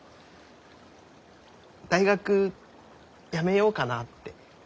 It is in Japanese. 大学やめようかなって。